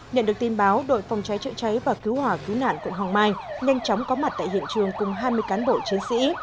nhận được tin báo đội phòng cháy chữa cháy và cứu hỏa cứu nạn quận hoàng mai nhanh chóng có mặt tại hiện trường cùng hai mươi cán bộ chiến sĩ